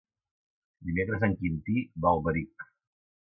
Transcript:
Dimecres en Quintí va a Alberic.